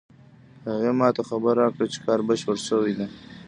هغې ما ته خبر راکړ چې کار بشپړ شوی ده